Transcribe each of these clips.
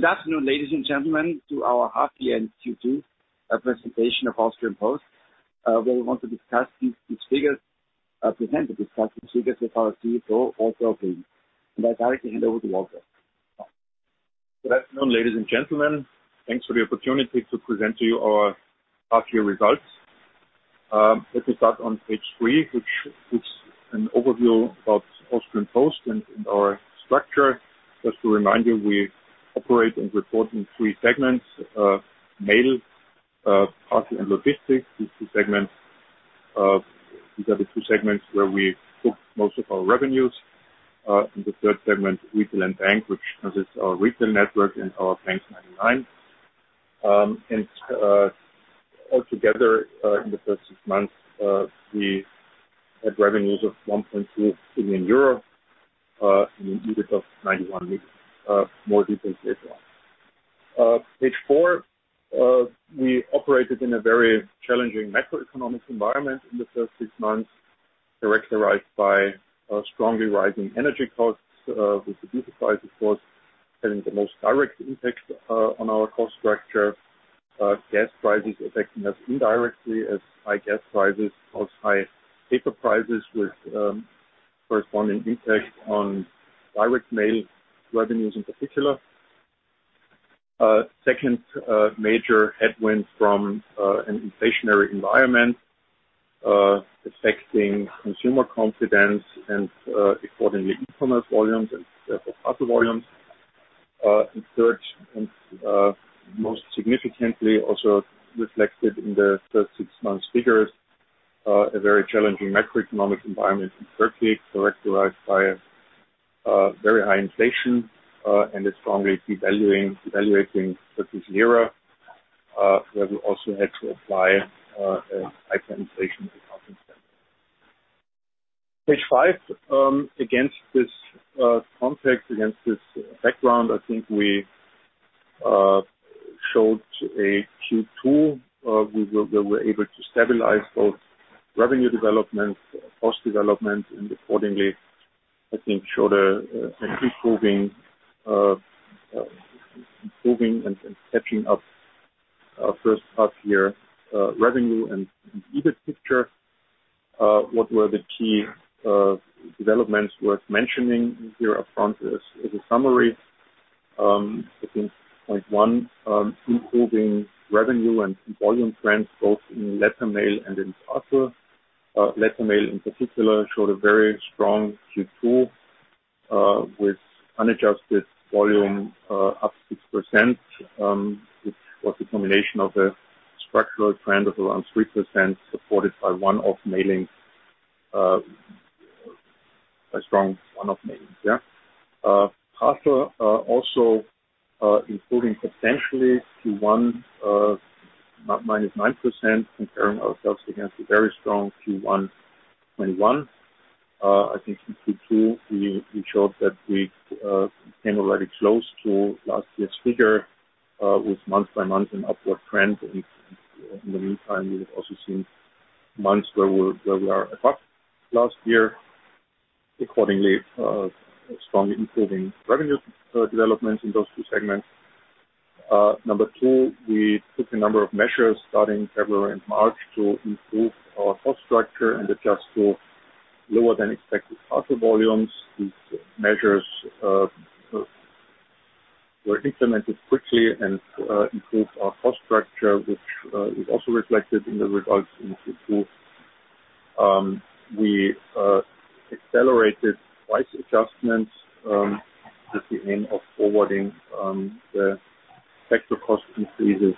Good afternoon, ladies and gentlemen, to our half-year and Q2 presentation of Austrian Post, where we want to discuss these figures with our CFO, Walter Oblin. I directly hand over to Walter. Good afternoon, ladies and gentlemen. Thanks for the opportunity to present to you our half-year results. Let me start on page three, which is an overview of Austrian Post and our structure. Just to remind you, we operate and report in three segments. Mail, Parcel & Logistics. These two segments, these are the two segments where we book most of our revenues. and the third segment, Retail & Bank, which consists of our retail network and our bank99. all together, in the first six months, we had revenues of 1.2 billion euro and an EBIT of 91 million. More details later on. Page four, we operated in a very challenging macroeconomic environment in the first six months, characterized by strongly rising energy costs, with the diesel price, of course, having the most direct impact on our cost structure. Gas prices affecting us indirectly as high gas prices cause high paper prices with corresponding impact on direct mail revenues in particular. Second, major headwinds from an inflationary environment affecting consumer confidence and accordingly e-commerce volumes and therefore parcel volumes. Third and most significantly also reflected in the first six months figures, a very challenging macroeconomic environment in Turkey, characterized by very high inflation and a strongly devaluing Turkish lira, where we also had to apply a high inflation accounting standard. Page five. Against this context, against this background, I think we showed a Q2, we were able to stabilize both revenue development, cost development, and accordingly, I think, show the improving and catching up first half-year revenue and EBIT picture. What were the key developments worth mentioning here up front as a summary. I think point one, improving revenue and volume trends both in Letter Mail and in Parcel. Letter Mail, in particular, showed a very strong Q2 with unadjusted volume up 6%, which was a combination of a structural trend of around 3%, supported by a strong one-off mailing. Parcel also improving substantially to -9%, comparing ourselves against a very strong Q1 2021. I think in Q2 we showed that we came already close to last year's figure with month by month an upward trend. In the meantime, we have also seen months where we are above last year. Accordingly, strongly improving revenue developments in those two segments. Number two, we took a number of measures starting February and March to improve our cost structure and adjust to lower than expected parcel volumes. These measures were implemented quickly and improved our cost structure, which is also reflected in the results in Q2. We accelerated price adjustments with the aim of forwarding the sector cost increases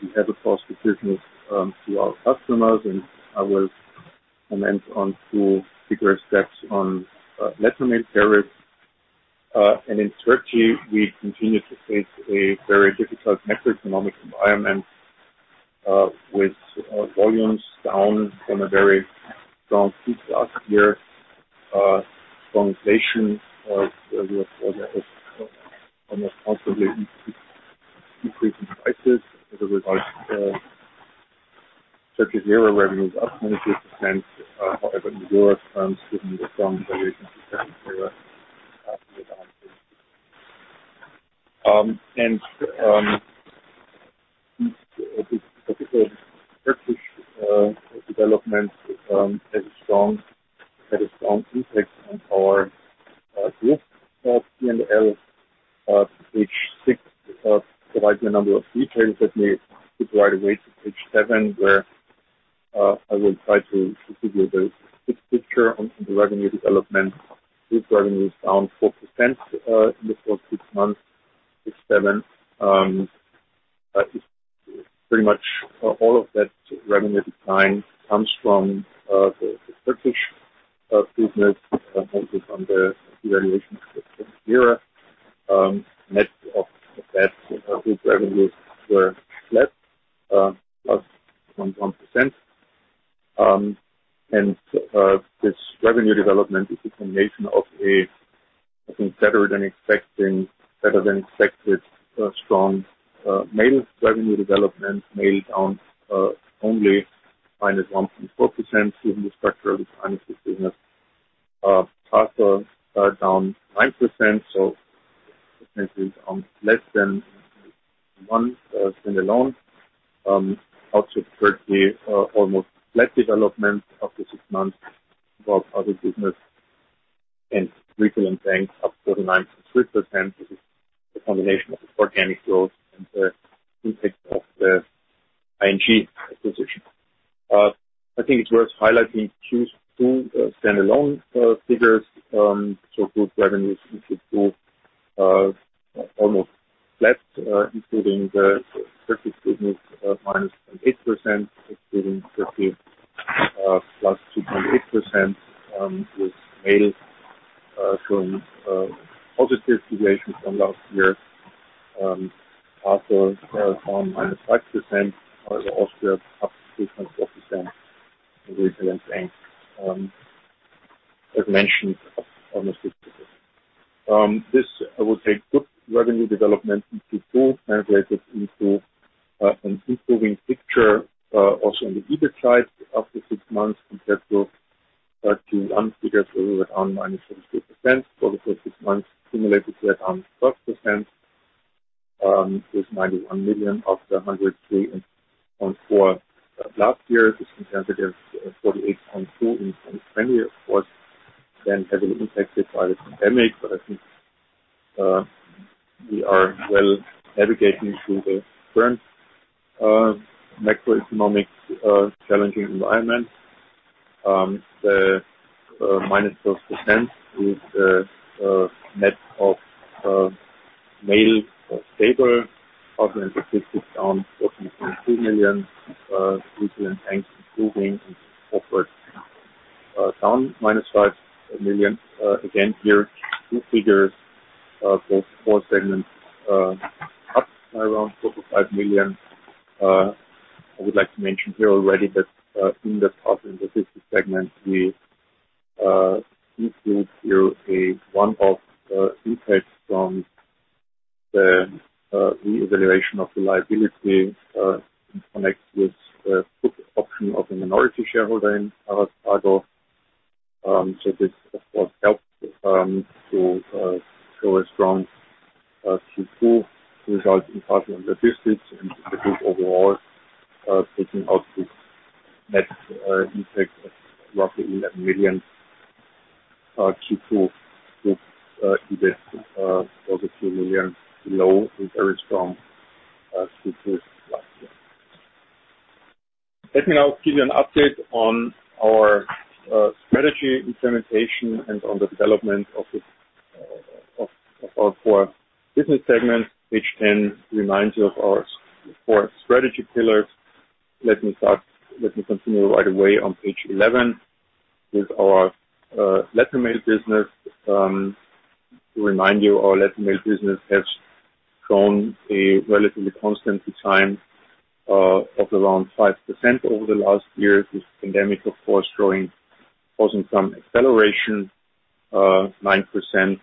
we had across the business to our customers, and I will comment on two bigger steps on Letter Mail tariffs. In Turkey, we continued to face a very difficult macroeconomic environment, with volumes down from a very strong Q2 last year. Strong inflation was constantly increasing prices as a result. Turkish lira revenues up 22%, however, in euro terms given the strong devaluation of Turkish lira, and the Turkish development had a strong impact on our group P&L. Page six provides a number of details. Let me move right away to page seven, where I will try to give you the big picture on the revenue development. Group revenue is down 4% in the first six months. Page seven is pretty much all of that revenue decline comes from the Turkish business, mostly from the devaluation of the Turkish lira. Net of that, group revenues were flat, plus 0.1%. This revenue development is a combination of a, I think, better than expected strong Mail revenue development. Mail down only -1.4% given the structural declines of business. Volumes are down 9%, so this is less than half the decline. Almost flat development after six months of other business and Retail & Bank up to the 9.3%. This is the combination of organic growth and the impact of the ING acquisition. I think it's worth highlighting Q2 standalone figures. Group revenues Q2 almost flat, including the Turkish business, -0.8%, excluding Turkey, +2.8%, with Mail showing positive situation from last year. After down -5%, Austria up 2.4% in Retail & Bank, as mentioned, up almost 6%. This I would say good revenue development in total translated into an improving picture also on the EBIT side after six months compared to starting line figures however down -33% for the first six months, similar to around plus percent, with 91 million after 103.4 million last year. This versus 48.2 million in 2020, of course, then heavily impacted by the pandemic. I think we are well navigating through the current macroeconomic challenging environment. The -4% is a net of Mail stable, other logistics down EUR 14.2 million, Retail & Bank improving and corporate down 5 million. Again, here two figures, both core segments up by around 4.5 million. I would like to mention here already that in the top logistics segment, we include here a one-off impact from the revaluation of the liability in connection with the put option of a minority shareholder in Aras Kargo. This of course helps to show a strong Q2 result in Parcel & Logistics and improve overall, taking out this net impact of roughly 11 million, Q2 group EBIT 42 million below the very strong Q2 last year. Let me now give you an update on our strategy implementation and on the development of our four business segments, which then reminds you of our four strategy pillars. Let me continue right away on page 11 with our letter mail business. To remind you, our letter mail business has shown a relatively constant decline of around 5% over the last year. This pandemic, of course, causing some acceleration, 9% in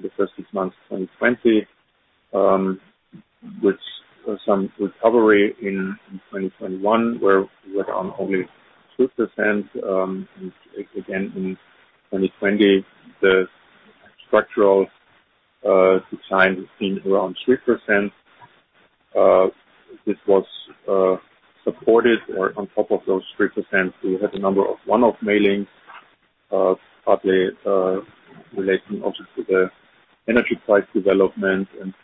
the first six months of 2020, which some recovery in 2021 where we were down only 2%. Again, in 2020 the structural decline has been around 3%. This was supported or on top of those 3%, we had a number of one-off mailings, partly relating also to the energy price development and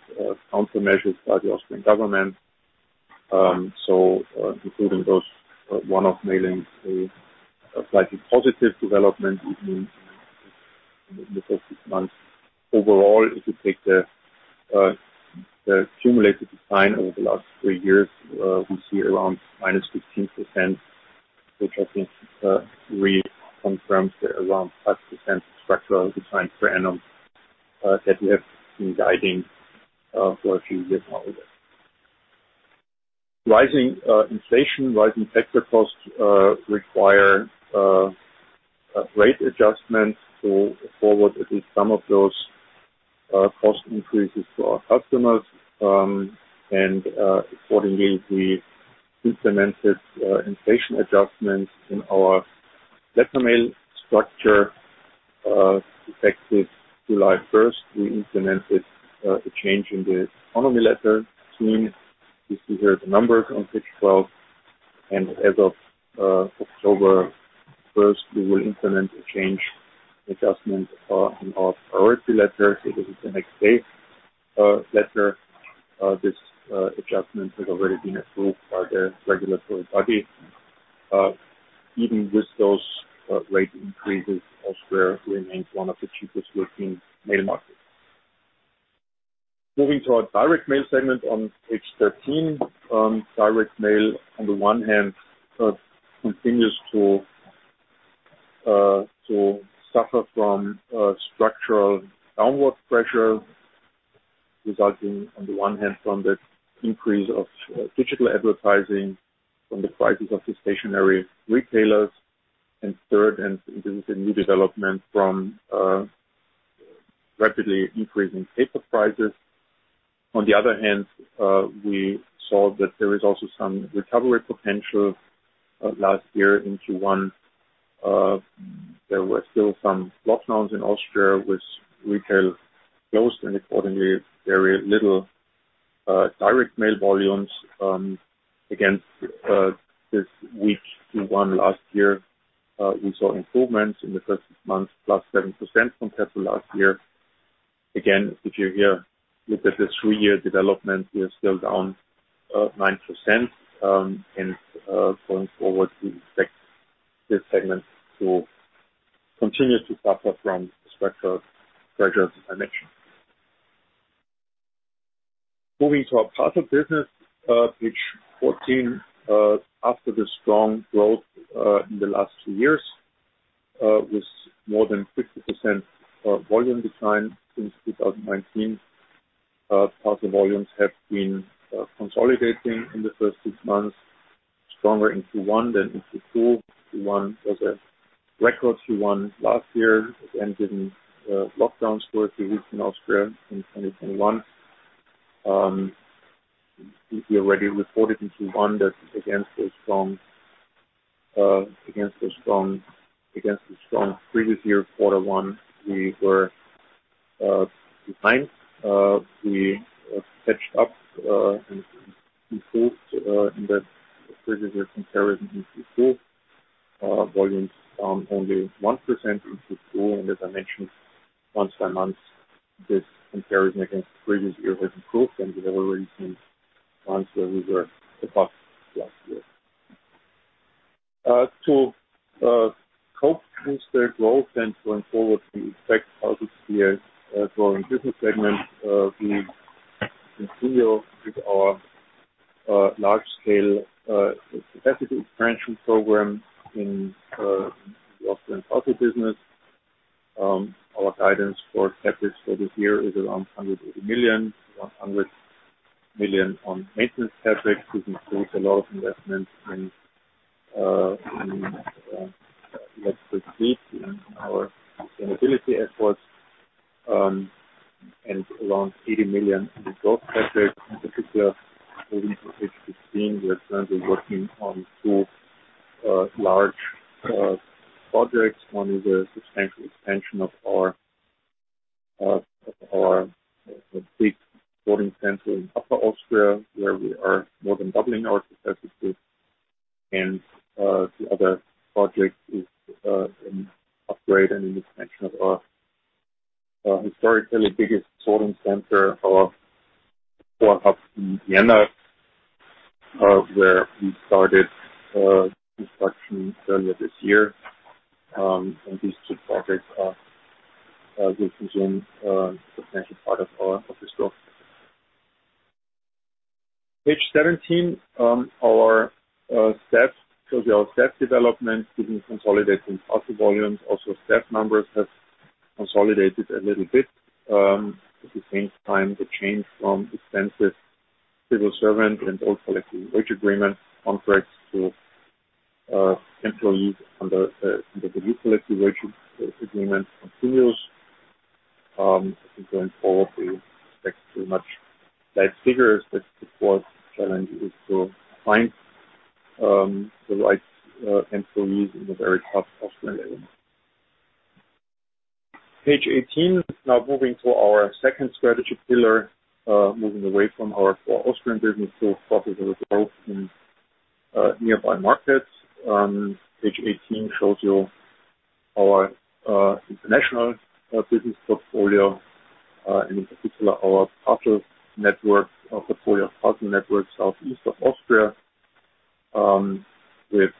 countermeasures by the Austrian government. Including those one-off mailings, a slightly positive development in the first six months. Overall, if you take the cumulative decline over the last three years, we see around -15%, which I think really confirms the around 5% structural decline per annum that we have been guiding for a few years now. Rising inflation, rising factor costs require a rate adjustment to forward at least some of those cost increases to our customers. Accordingly, we implemented inflation adjustments in our letter mail structure effective July 1. We implemented a change in the Economy letter tier. You see here the numbers on page 12. As of October 1, we will implement a change adjustment in our Priority letter. This is the next phase letter. This adjustment has already been approved by the regulatory body. Even with those rate increases, Austria remains one of the cheapest letter mail markets. Moving to our direct mail segment on page 13. Direct mail on the one hand continues to suffer from structural downward pressure, resulting on the one hand from the increase of digital advertising, from the crisis of the stationary retailers, and third, and this is a new development from rapidly increasing paper prices. On the other hand, we saw that there is also some recovery potential last year in Q1. There were still some lockdowns in Austria with retail closed and accordingly, very little direct mail volumes against this year's Q1 last year. We saw improvements in the first month, plus 7% compared to last year. Again, if you look here at the three-year development, we are still down 9%, and going forward, we expect this segment to continue to suffer from structural pressures I mentioned. Moving to our parcel business, page 14. After the strong growth in the last two years with more than 50% volume decline since 2019, parcel volumes have been consolidating in the first six months, stronger in Q1 than in Q2. Q1 was a record Q1 last year, again, given lockdowns for a few weeks in Austria in 2021. We already reported in Q1 that against the strong previous year quarter one, we were behind. We caught up and improved in that previous year comparison in Q2. Volumes down only 1% in Q2. As I mentioned, month by month, this comparison against the previous year has improved, and we have already seen months where we were above last year. To cope with the growth and going forward, we expect positive years, growing business segment. We continue with our large scale capacity expansion program in the Austrian parcel business. Our guidance for CapEx for this year is around 180 million. 100 million on maintenance CapEx, which includes a lot of investments in our sustainability efforts, and around 80 million in the growth CapEx. In particular, moving to page 15, we are currently working on two large projects. One is a substantial expansion of our big sorting center in Upper Austria, where we are more than doubling our capacities. The other project is an upgrade and an expansion of our historically biggest sorting center or hub in Vienna, where we started construction earlier this year. These two projects will become a substantial part of this growth. Page 17, our staff. Shows you our staff development. Given consolidating parcel volumes, also staff numbers have consolidated a little bit. At the same time, the change from expensive civil servant and old collective wage agreement contracts to employees under the new collective wage agreement continues. Going forward, we expect pretty much like figures, but of course, the challenge is to find the right employees in a very tough Austrian labor market. Page 18. Now moving to our second strategy pillar. Moving away from our core Austrian business to profitable growth in nearby markets. Page 18 shows you our international business portfolio, and in particular, our parcel network, our portfolio of parcel networks southeast of Austria, with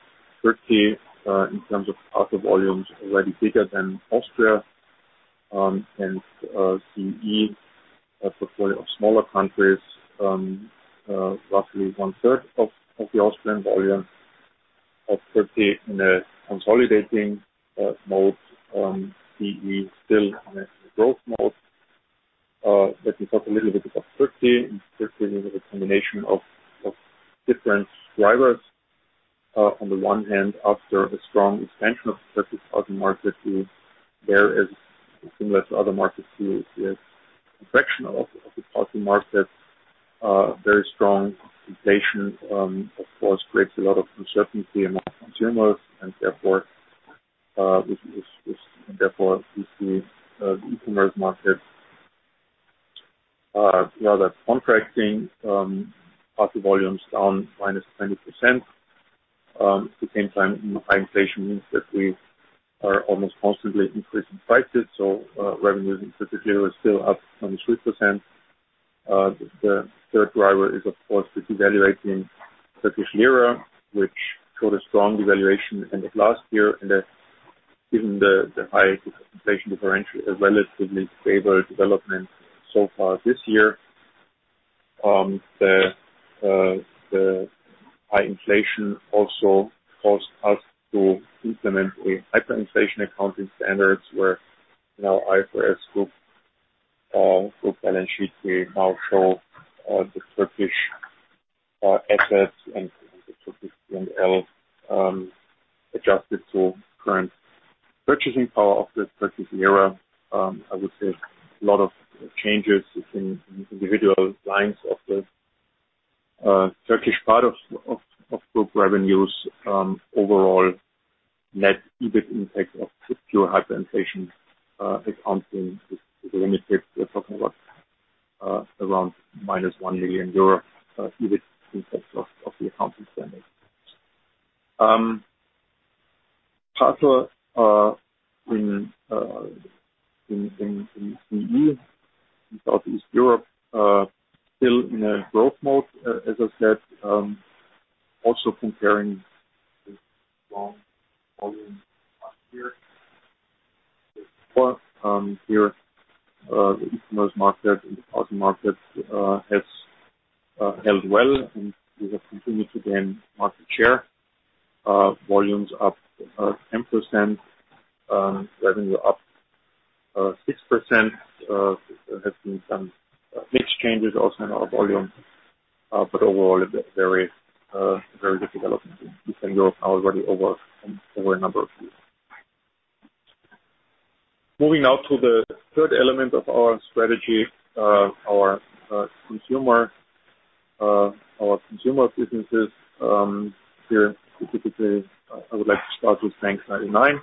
Turkey, in terms of parcel volumes already bigger than Austria. CE, a portfolio of smaller countries, roughly one-third of the Austrian volume of Turkey in a consolidating mode. CE still in a growth mode. Let me talk a little bit about Turkey. In Turkey, we have a combination of different drivers. On the one hand, after a strong expansion of the Turkish parcel market, similar to other markets, we see a correction of the parcel market. Very strong inflation, of course, creates a lot of uncertainty among consumers and therefore we see the e-commerce market rather contracting, parcel volumes down -20%. At the same time, high inflation means that we are almost constantly increasing prices, so revenues in Turkish lira is still up 23%. The third driver is of course the devaluating Turkish lira, which showed a strong devaluation end of last year, and given the high inflation differential, a relatively favored development so far this year. The high inflation also caused us to implement a hyperinflation accounting standards where in our IFRS group balance sheet, we now show the Turkish assets and P&L adjusted to current purchasing power of the Turkish lira. I would say a lot of changes between individual lines of the Turkish part of group revenues, overall net EBIT impact of pure hyperinflation accounting is limited. We're talking about around minus 1 million euro EBIT impact of the accounting standard. Parcel in CE in Southeast Europe still in a growth mode, as I said, also comparing the strong volume last year. Here the e-commerce market and the partner market has held well, and we have continued to gain market share. Volumes up 10%. Revenue up 6%. There has been some mix changes also in our volume. But overall a very good development in Eastern Europe now already over a number of years. Moving now to the third element of our strategy, our consumer businesses. Here specifically, I would like to start with bank99.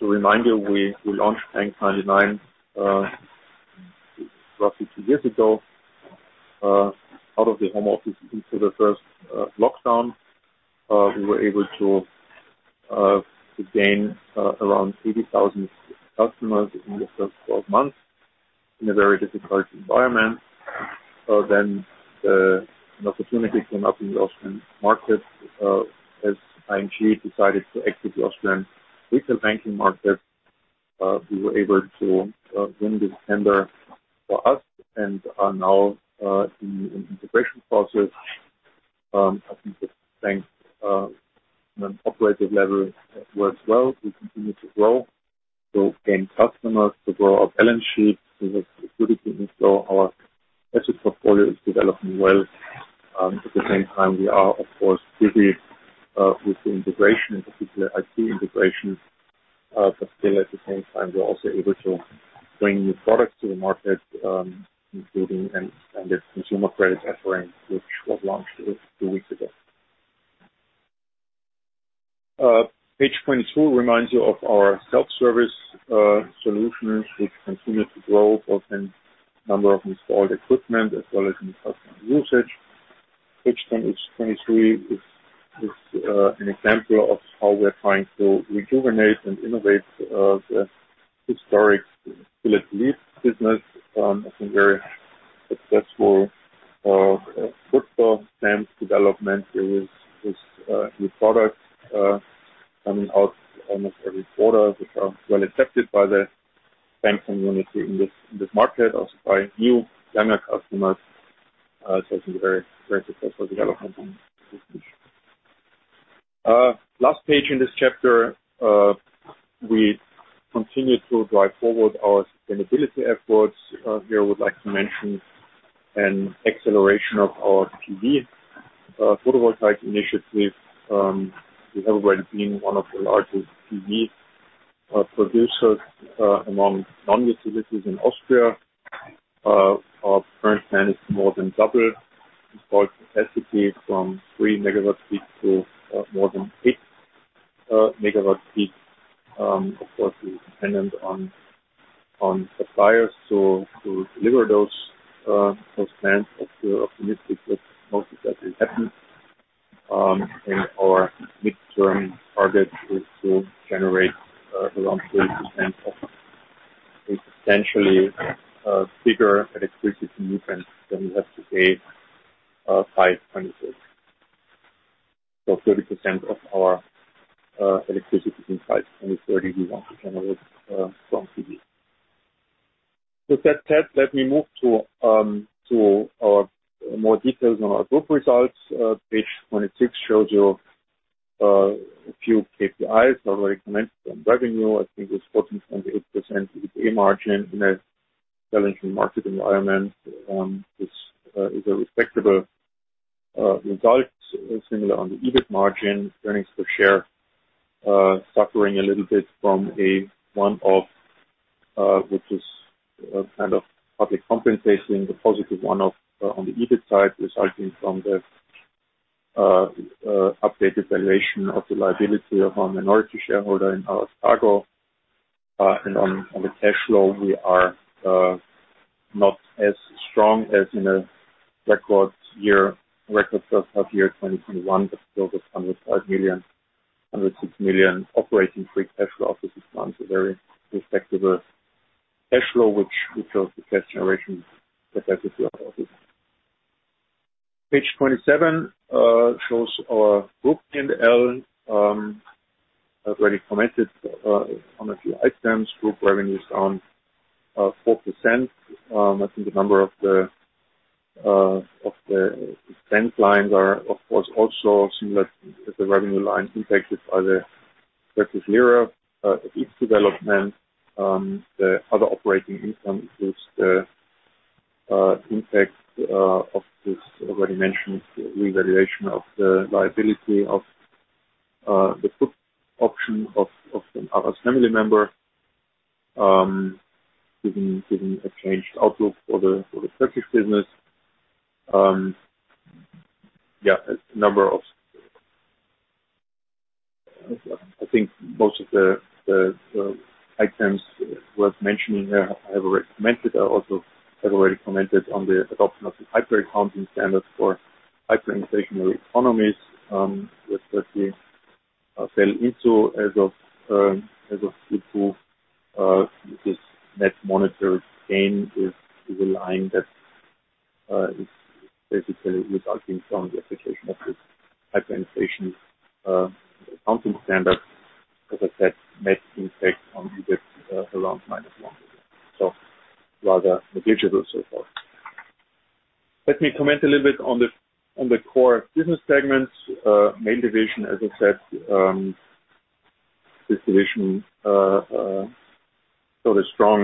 Reminder, we launched bank99 roughly two years ago out of the home office into the first lockdown. We were able to gain around 80,000 customers in the first 12 months in a very difficult environment. An opportunity came up in the Austrian market as ING decided to exit the Austrian retail banking market. We were able to win this tender for us and are now in an integration process. I think the bank on an operative level works well. We continue to grow, to gain customers, to grow our balance sheet. We have good momentum, so our asset portfolio is developing well. At the same time, we are of course busy with the integration, in particular IT integration. Still at the same time, we are also able to bring new products to the market, including an extended consumer credit offering, which was launched a few weeks ago. Page 22 reminds you of our self-service solutions, which continue to grow both in number of installed equipment as well as in customer usage. Page 23 is an example of how we are trying to rejuvenate and innovate the historic business. I think very successful football fans development. There are new products coming out almost every quarter, which are well accepted by the bank community in this market, also by new dynamic customers. It's a very successful development. Last page in this chapter. We continue to drive forward our sustainability efforts. Here I would like to mention an acceleration of our PV, photovoltaic initiative. We've already been one of the largest PV producers among non-utilities in Austria. Our current plan is to more than double installed capacity from 3 MW peak to more than 6 MW peak. Of course, we're dependent on suppliers to deliver those plans. Optimistic that most of that will happen. Our midterm target is to generate around 30% of a substantially bigger electricity needs than we have today by 2026. 30% of our electricity needs by 2030 we want to generate from PV. With that said, let me move to our more details on our group results. Page 26 shows you a few KPIs. I already commented on revenue. I think it was 14.8% EBITDA margin in a challenging market environment is a respectable result. Similar on the EBIT margin. Earnings per share suffering a little bit from a one-off, which is kind of public compensation. The positive one-off on the EBIT side resulting from the updated valuation of the liability of our minority shareholder in Aras Kargo. On the cash flow, we are not as strong as in a record first half-year 2021. Still this 105 million, 106 million operating free cash flow for six months, a very respectable cash flow, which shows the cash generation capacity of our business. Page 27 shows our group P&L. I've already commented on a few items. Group revenues down 4%. I think a number of the spend lines are of course also similar as the revenue lines impacted by the Turkish lira, its development, the other operating income includes the impact of this already mentioned revaluation of the liability of the put option of an Aras family member, given a changed outlook for the Turkish business. Yeah, a number of. I think most of the items worth mentioning here I have already mentioned. I also have already commented on the adoption of the hyperinflation accounting standards for hyperinflationary economies, with which we fell into as of Q2. This net monetary gain is a line that is basically resulting from the application of this hyperinflation accounting standard. As I said, net impact on EBIT around -1 million, so rather negligible so far. Let me comment a little bit on the core business segments. Mail division, as I said, this division saw a strong,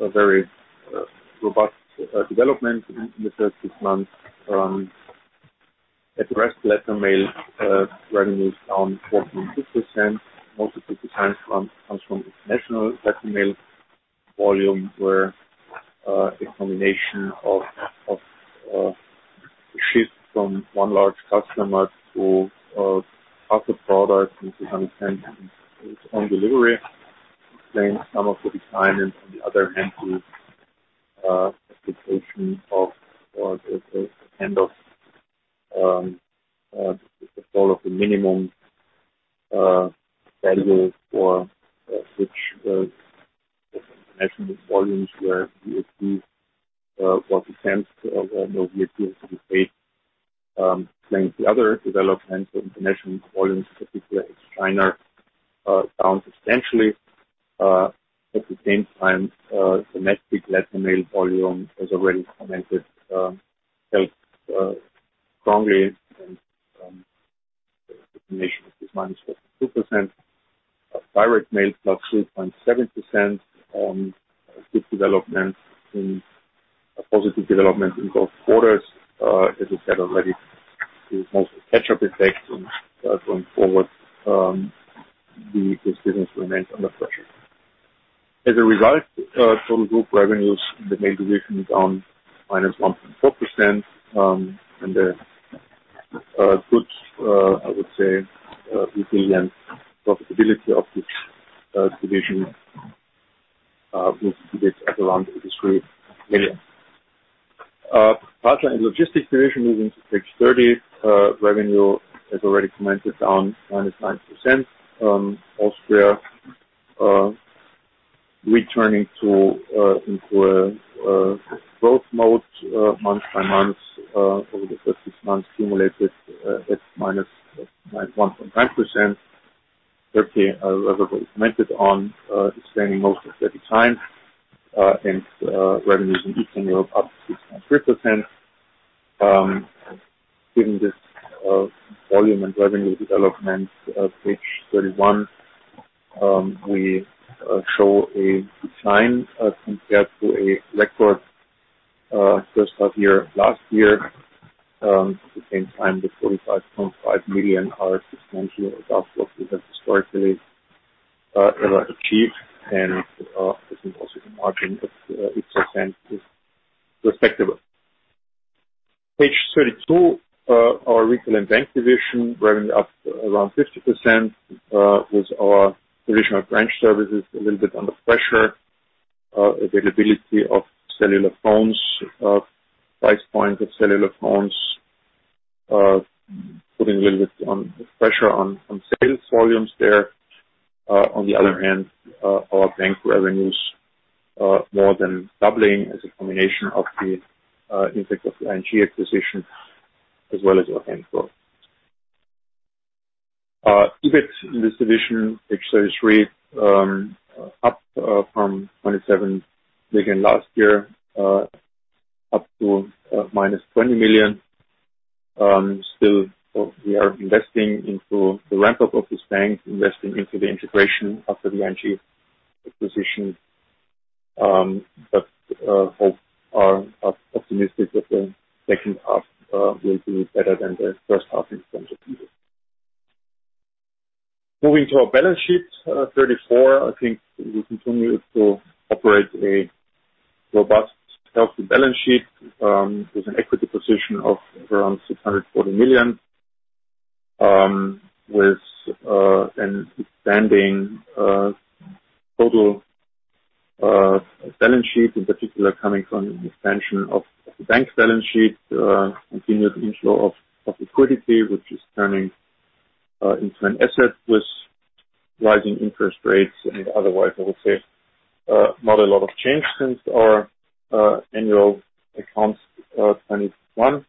a very robust development in the first six months. At the rest letter mail revenues down 14.6%, most of which declined from international letter mail volume, where a combination of shift from one large customer to other products and to home delivery explains some of the decline. On the other hand is application of the end of the fall of the minimum value for which international volumes where we achieve what we achieved to be paid explains the other developments of international volumes, particularly China down substantially. At the same time, domestic letter mail volume, as already commented, held strongly and the combination of this -42% of direct mail plus 2.7% good development in a positive development in both quarters. As I said already, it's mostly catch-up effect and going forward, the business remains under pressure. As a result, total group revenues in the Mail division is down -1.4%, and a good, I would say, EBITDA and profitability of this division with EBIT at around 83 million. Parcel & Logistics division moving to page 30. Revenue, as already commented, down -9%. Austria returning to a growth mode month by month over the first six months cumulative at -1.9%. Turkey as I've already commented on explaining most of the decline and revenues in Eastern Europe up 6.3%. Given this, volume and revenue development at page 31, we show a decline compared to a record first half-year last year. At the same time, the 45.5 million are substantially above what we have historically ever achieved. I think also the margin of 8% is respectable. Page 32, our Retail & Bank division, revenue up around 50%, with our traditional branch services a little bit under pressure. Availability of cellular phones, price point of cellular phones, putting a little bit pressure on sales volumes there. On the other hand, our bank revenues more than doubling as a combination of the impact of the ING acquisition as well as organic growth. EBIT in this division, page 33, up from 27 million last year, up to -20 million. Still, we are investing into the ramp-up of this bank, investing into the integration of the ING acquisition, but we are optimistic that the second half will be better than the first half in terms of EBIT. Moving to our balance sheet, 34, I think we continue to operate a robust, healthy balance sheet, with an equity position of around 640 million, with an expanding total balance sheet in particular coming from an expansion of the bank balance sheet. Continued inflow of liquidity, which is turning into an asset with rising interest rates. Otherwise, I would say not a lot of change since our annual accounts, 2021.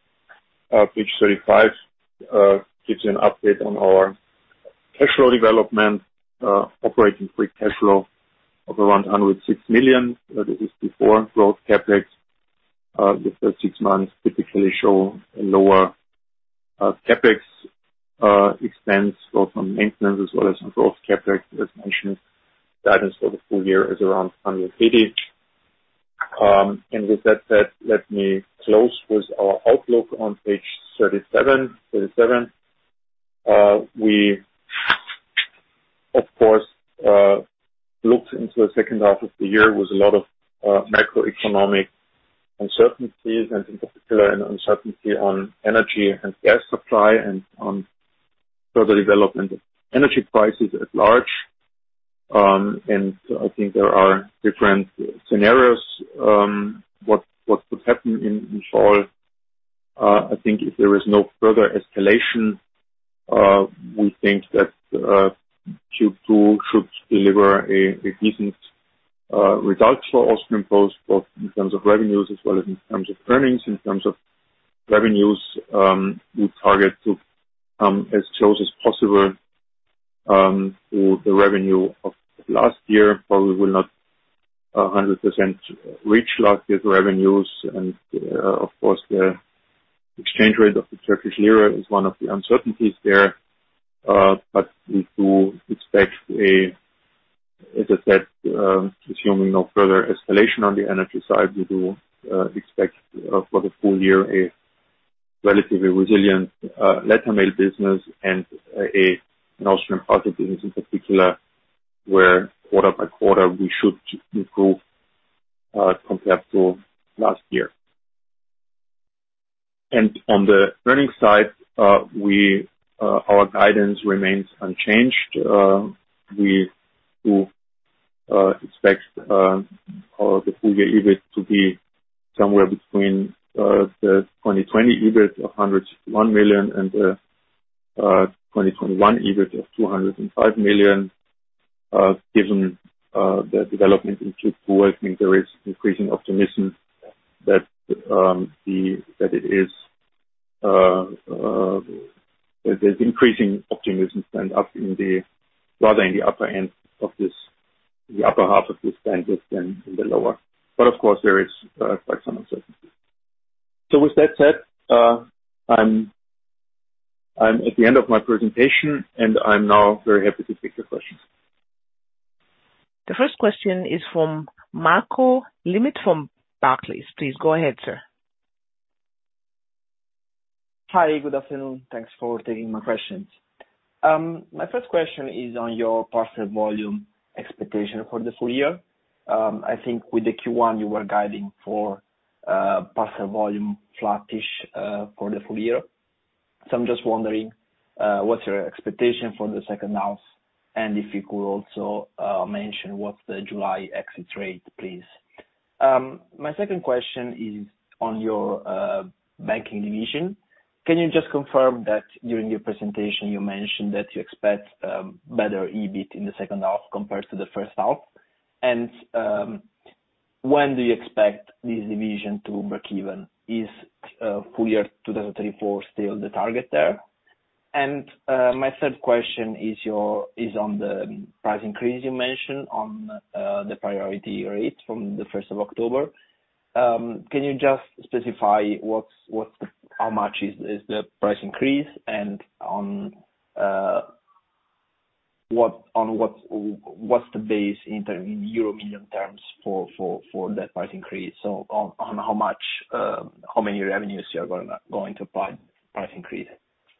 Page 35 gives you an update on our liquidity and cash flow development, operating free cash flow of around 106 million, that is before growth CapEx. The first 6 months typically show a lower CapEx expense both on maintenance as well as on growth CapEx. As mentioned, guidance for the full-year is around 180 million. With that said, let me close with our outlook on page 37. We of course looked into the second half of the year with a lot of macroeconomic uncertainties and in particular an uncertainty on energy and gas supply and on further development of energy prices at large. I think there are different scenarios, what could happen in fall. I think if there is no further escalation, we think that Q2 should deliver a decent result for Austrian Post, both in terms of revenues as well as in terms of earnings. In terms of revenues, we target to come as close as possible to the revenue of last year, but we will not 100% reach last year's revenues. Of course, the exchange rate of the Turkish lira is one of the uncertainties there. As I said, assuming no further escalation on the energy side, we do expect for the full-year a relatively resilient letter mail business and an Austrian parcel business in particular, where quarter by quarter we should improve compared to last year. On the earnings side, our guidance remains unchanged. We do expect the full-year EBIT to be somewhere between the 2020 EBIT of 101 million and the 2021 EBIT of 205 million. Given the development in Q2, I think there is increasing optimism that it is rather in the upper half of this bandwidth than in the lower. Of course, there is quite some uncertainty. With that said, I'm at the end of my presentation, and I'm now very happy to take your questions. The first question is from Marco Limite from Barclays. Please go ahead, sir. Hi. Good afternoon. Thanks for taking my questions. My first question is on your parcel volume expectation for the full-year. I think with the Q1 you were guiding for parcel volume flattish for the full-year. I'm just wondering what's your expectation for the second half? And if you could also mention what's the July exit rate, please. My second question is on your banking division. Can you just confirm that during your presentation you mentioned that you expect better EBIT in the second half compared to the first half? When do you expect this division to break even? Is full-year 2024 still the target there? My third question is on the price increase you mentioned on the Priority rate from the first of October. Can you just specify what's how much is the price increase and on what's the base in euro million terms for that price increase? On how much, how many revenues you are going to apply price increase.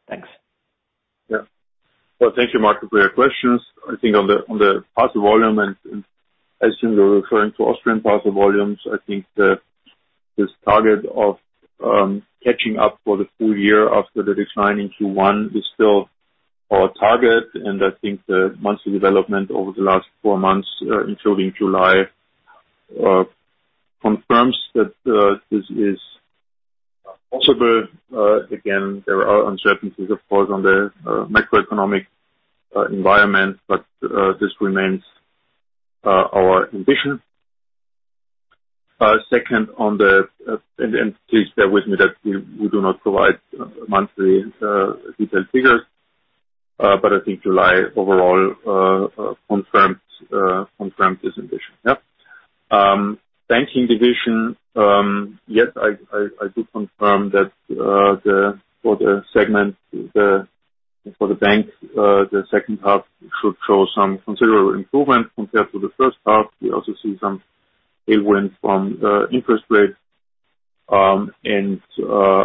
Thanks. Yeah. Well, thank you, Marco, for your questions. I think on the parcel volume, and I assume you're referring to Austrian parcel volumes. I think this target of catching up for the full-year after the decline in Q1 is still our target. I think the monthly development over the last four months, including July, confirms that this is possible. Again, there are uncertainties of course on the macroeconomic environment, but this remains our ambition. Second, and please bear with me that we do not provide monthly detailed figures. I think July overall confirms this ambition. Yeah. Banking division, yes, I do confirm that for the bank segment the second half should show some considerable improvement compared to the first half. We also see some headwinds from interest rates.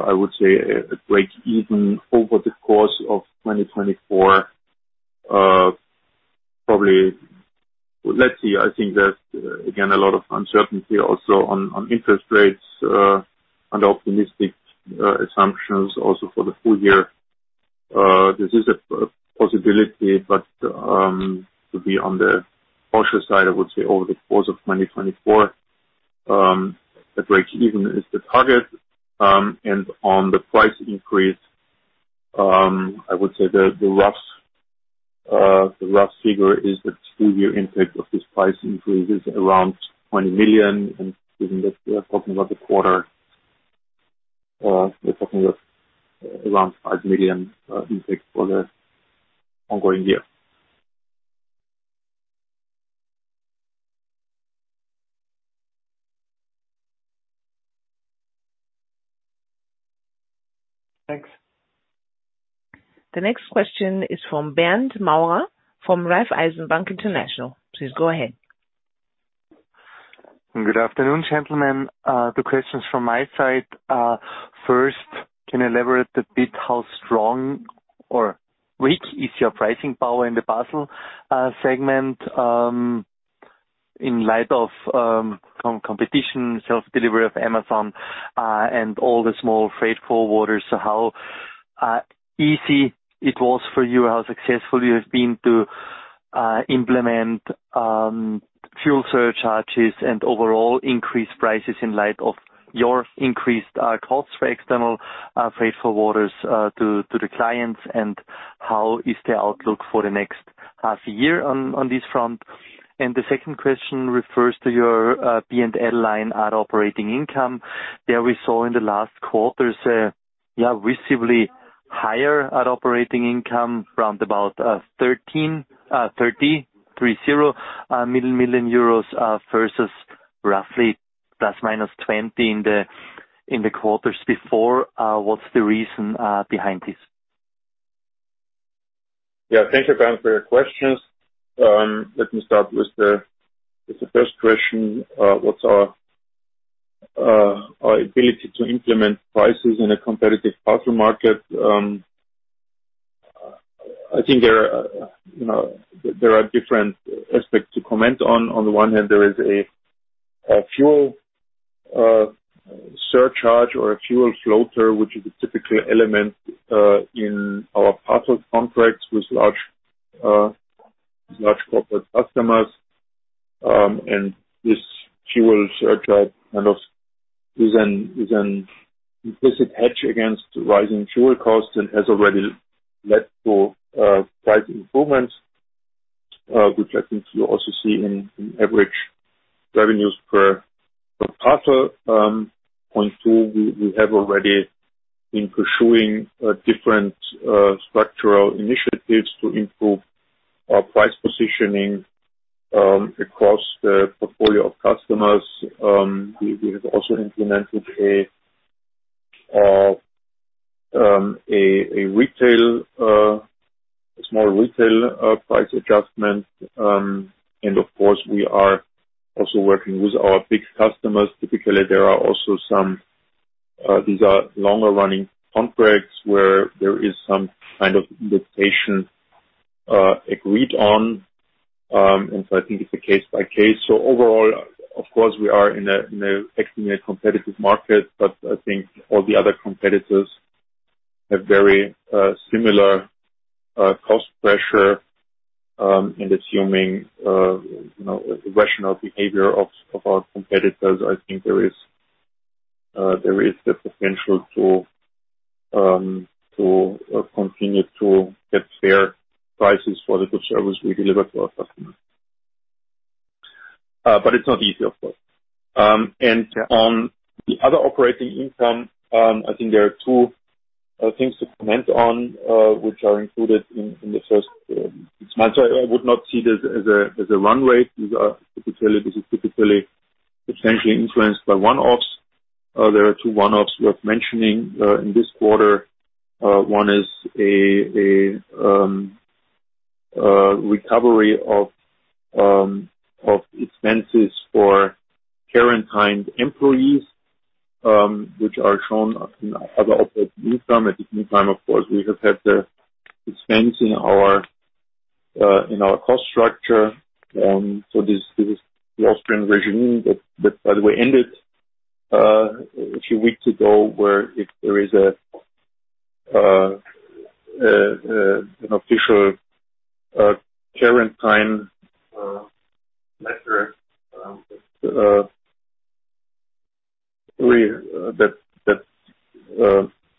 I would say a break even over the course of 2024, probably. Let's see. I think there's again a lot of uncertainty also on interest rates under optimistic assumptions also for the full-year. This is a possibility, but to be on the cautious side, I would say over the course of 2024 a break even is the target. On the price increase, I would say the rough figure is the full-year impact of this price increase is around 20 million. We're talking of around 5 million impact for the ongoing year. Thanks. The next question is from Bernd Maurer from Raiffeisen Bank International. Please go ahead. Good afternoon, gentlemen. Two questions from my side. First, can you elaborate a bit how strong or weak is your pricing power in the parcel segment, in light of competition, self-delivery of Amazon, and all the small freight forwarders? How easy it was for you or how successful you have been to implement fuel surcharges and overall increase prices in light of your increased costs for external freight forwarders to the clients, and how is the outlook for the next half-year on this front? The second question refers to your P&L line at operating income. There we saw in the last quarters a visibly higher at operating income from about 33.0 million versus roughly ±20 in the quarters before. What's the reason behind this? Yeah, thank you, Bernd, for your questions. Let me start with the first question, what's our ability to implement prices in a competitive parcel market. I think there are, you know, different aspects to comment on. On the one hand, there is a fuel surcharge or a fuel floater, which is a typical element in our parcel contracts with large corporate customers. This fuel surcharge kind of is an implicit hedge against rising fuel costs and has already led to price improvements, which I think you also see in average revenues per parcel. Point two, we have already been pursuing different structural initiatives to improve our price positioning across the portfolio of customers. We have also implemented a small retail price adjustment. Of course, we are also working with our big customers. Typically, there are also some; these are longer running contracts where there is some kind of limitation agreed on. I think it's a case by case. Overall, of course, we are in an extremely competitive market, but I think all the other competitors have very similar cost pressure, and assuming you know, rational behavior of our competitors, I think there is the potential to continue to get fair prices for the good service we deliver to our customers. It's not easy, of course. The other operating income, I think there are two things to comment on, which are included in the first six months. I would not see this as a run rate. This is typically potentially influenced by one-offs. There are two one-offs worth mentioning in this quarter. One is a recovery of expenses for quarantined employees, which are shown as other operating income. At the same time, of course, we have had the expense in our cost structure. This is the Austrian regime that, by the way, ended a few weeks ago, where if there is an official quarantine measure that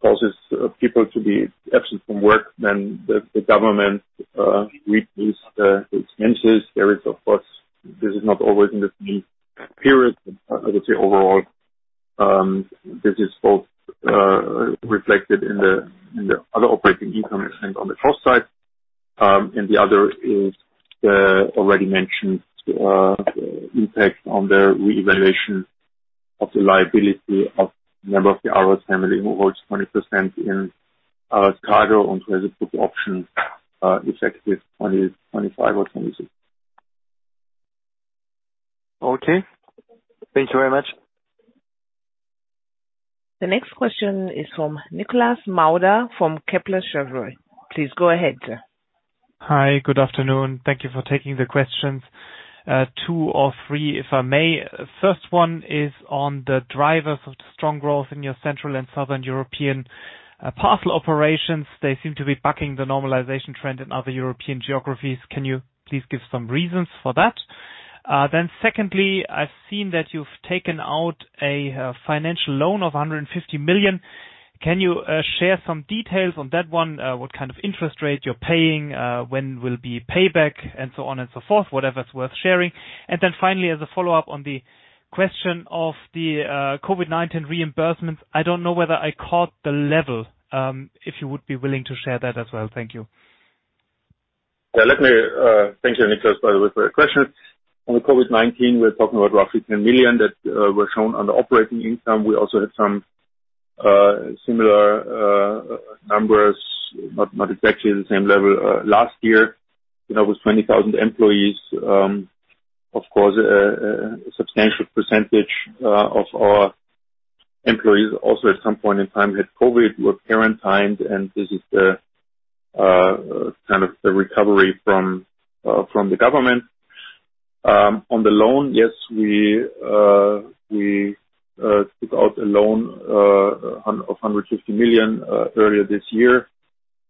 causes people to be absent from work, then the government reduce the expenses. There is, of course, this is not always in the same period. I would say overall, this is both reflected in the other operating income and on the cost side. The other is the already mentioned impact on the revaluation of the liability of member of the Aras family who holds 20% in Aras Kargo and who has a put option effective 2025 or 2026. Okay. Thank you very much. The next question is from Nikolas Mauder from Kepler Cheuvreux. Please go ahead. Hi. Good afternoon. Thank you for taking the questions. Two or three, if I may. First one is on the drivers of the strong growth in your Central and Southern European parcel operations. They seem to be bucking the normalization trend in other European geographies. Can you please give some reasons for that? Secondly, I've seen that you've taken out a financial loan of 150 million. Can you share some details on that one? What kind of interest rate you're paying, when will be payback, and so on and so forth, whatever is worth sharing. Finally, as a follow-up on the question of the COVID-19 reimbursements. I don't know whether I caught the level, if you would be willing to share that as well. Thank you. Yeah, let me thank you, Nikolas, by the way, for your question. On the COVID-19, we're talking about roughly 10 million that were shown on the operating income. We also had some similar numbers, not exactly the same level last year. That was 20,000 employees, of course, substantial percentage of our employees also at some point in time had COVID, were quarantined, and this is the kind of recovery from the government. On the loan, yes, we took out a loan of 150 million earlier this year.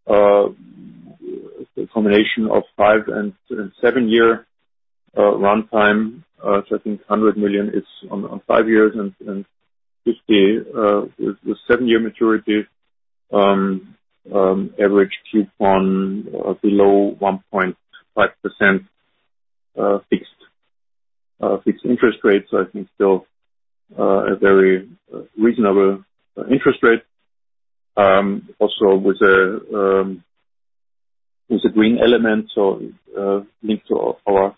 A combination of five and seven-year runtime. I think 100 million is on five years and 50 million with seven-year maturity. Average coupon below 1.5%, fixed interest rate. I think still a very reasonable interest rate, also with the green elements or linked to our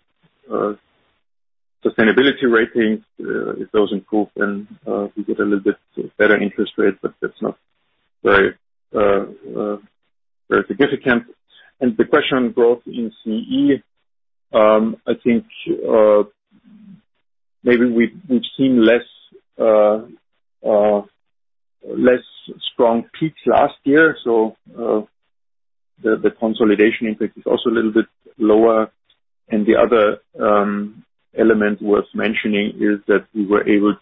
sustainability ratings. If those improve, then we get a little bit better interest rate, but that's not very significant. The question growth in CE, I think maybe we've seen less strong peaks last year, so the consolidation impact is also a little bit lower. The other element worth mentioning is that we were able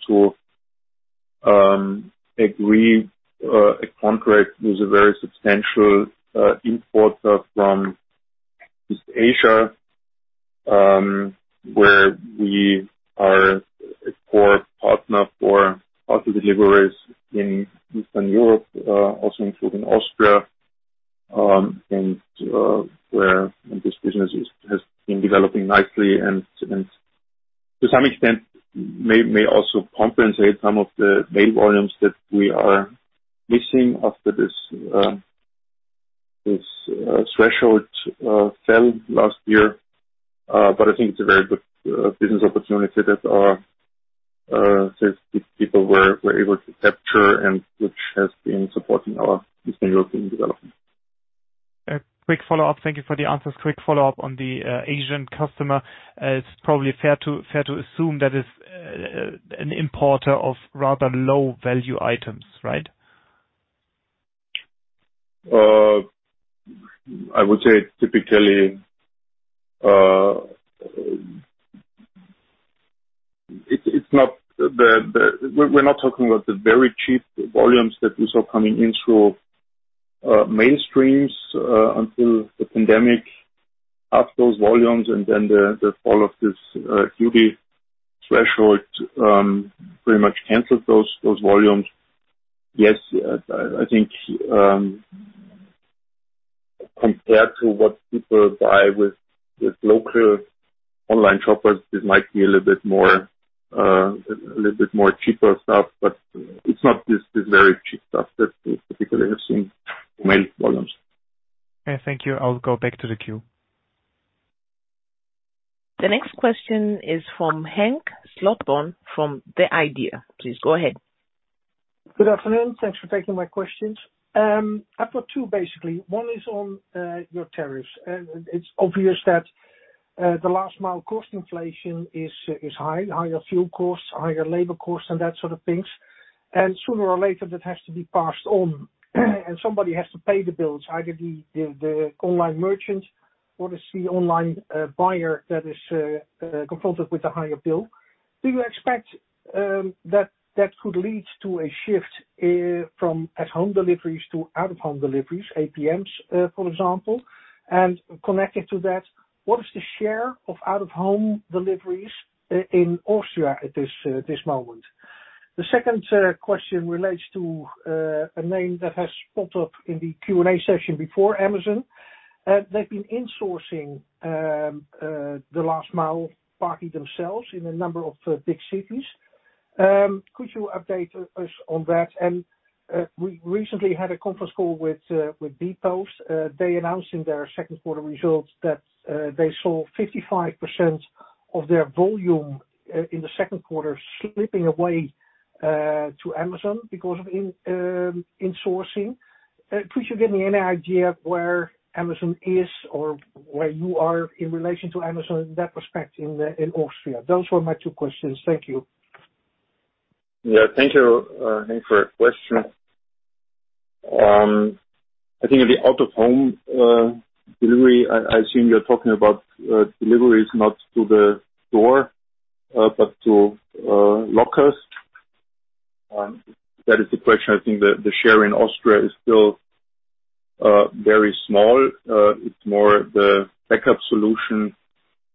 to agree a contract with a very substantial importer from East Asia, where we are a core partner for auto deliveries in Eastern Europe, also including Austria, and where this business has been developing nicely and to some extent may also compensate some of the main volumes that we are missing after this threshold fell last year. I think it's a very good business opportunity that our sales people were able to capture and which has been supporting our Eastern European development. A quick follow-up. Thank you for the answers. Quick follow-up on the Asian customer. It's probably fair to assume that is an importer of rather low-value items, right? I would say typically, it's not the very cheap volumes that we saw coming in through mail streams until the pandemic. Half those volumes and then the fall of this duty threshold pretty much canceled those volumes. Yes, I think, compared to what people buy with local online shoppers, it might be a little bit more cheaper stuff, but it's not this very cheap stuff that we particularly have seen mail volumes. Okay. Thank you. I'll go back to the queue. The next question is from Henk Slotboom, from the IDEA!. Please go ahead. Good afternoon. Thanks for taking my questions. I've got two basically. One is on your tariffs. It's obvious that the last mile cost inflation is high. Higher fuel costs, higher labor costs and that sort of things. Sooner or later, that has to be passed on, and somebody has to pay the bills, either the online merchant or it's the online buyer that is confronted with a higher bill. Do you expect that that could lead to a shift from at-home deliveries to out-of-home deliveries, APMs, for example? Connected to that, what is the share of out-of-home deliveries in Austria at this moment? The second question relates to a name that has popped up in the Q&A session before, Amazon. They've been insourcing the last mile partly themselves in a number of big cities. Could you update us on that? We recently had a conference call with bpost. They announced in their second quarter results that they saw 55% of their volume in the second quarter slipping away to Amazon because of insourcing. Could you give me any idea where Amazon is or where you are in relation to Amazon in that respect in Austria? Those were my two questions. Thank you. Yeah. Thank you, Henk, for your question. I think in the out-of-home delivery, I assume you're talking about deliveries not to the door, but to lockers. That is the question. I think the share in Austria is still very small. It's more the backup solution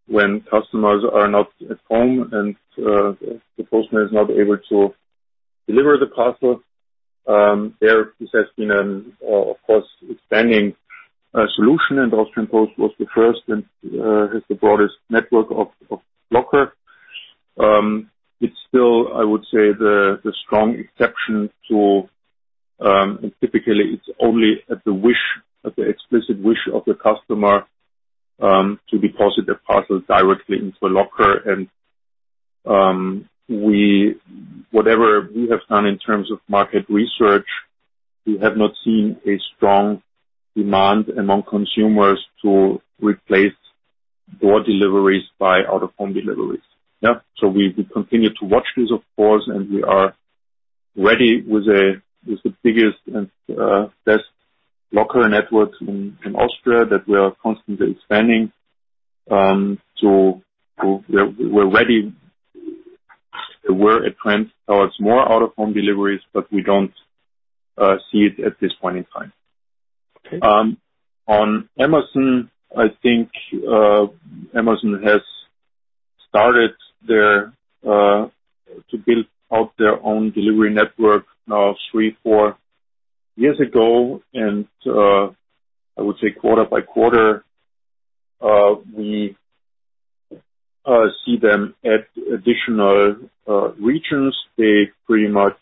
when customers are not at home and the postman is not able to deliver the parcel. Therefore, this has been an expanding solution, of course, and Austrian Post was the first and has the broadest network of lockers. It's still, I would say, the strong exception, too, and typically it's only at the wish, at the explicit wish of the customer to deposit their parcel directly into a locker. Whatever we have done in terms of market research, we have not seen a strong demand among consumers to replace door deliveries by out-of-home deliveries. Yeah. We continue to watch this, of course, and we are ready with the biggest and best locker network in Austria that we are constantly expanding. We're ready. There were a trend towards more out-of-home deliveries, but we don't see it at this point in time. Okay. On Amazon, I think Amazon has started to build out their own delivery network now three to four years ago. I would say quarter by quarter we see them add additional regions. They pretty much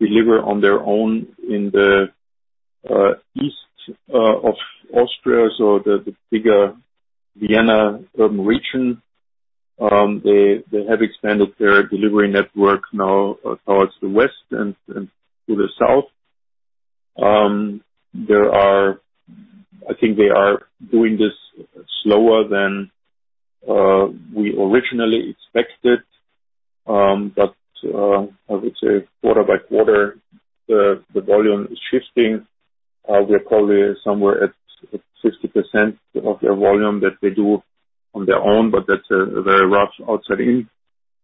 deliver on their own in the east of Austria, the bigger Vienna urban region. They have expanded their delivery network now towards the west and to the south. I think they are doing this slower than we originally expected. I would say quarter by quarter the volume is shifting. We're probably somewhere at 60% of their volume that they do on their own, but that's a very rough outside-in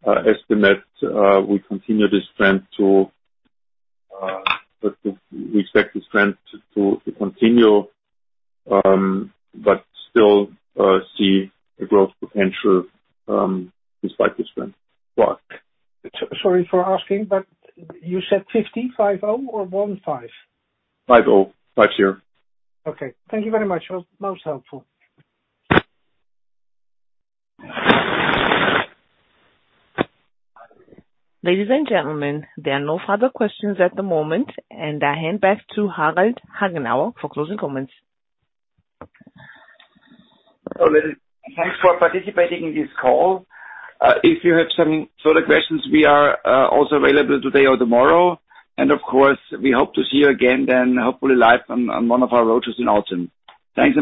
estimate. We expect this trend to continue, but still see a growth potential despite this trend. Sorry for asking, but you said 50, 5-0 or 1-5? 50. 50. Okay. Thank you very much. Most helpful. Ladies and gentlemen, there are no further questions at the moment. I hand back to Harald Hagenauer for closing comments. Thanks for participating in this call. If you have some further questions, we are also available today or tomorrow. Of course, we hope to see you again then, hopefully live on one of our roadshows in autumn. Thanks a lot.